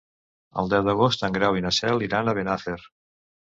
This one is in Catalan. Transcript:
El deu d'agost en Grau i na Cel iran a Benafer.